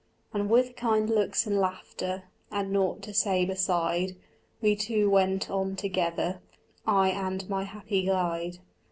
And with kind looks and laughter And nought to say beside We two went on together, I and my happy guide.